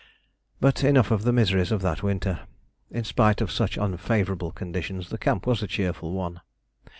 But enough of the miseries of that winter: in spite of such unfavourable conditions, the camp was a cheerful one.